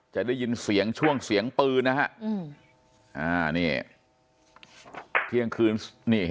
จะได้ยินเสียงช่วงเสียงปืนนะฮะ